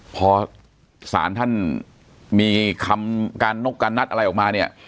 พอศาลท่านมีคำการนกการนัดอะไรออกมาเนี่ย